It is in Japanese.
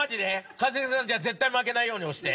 一茂さんじゃあ絶対負けないように押して。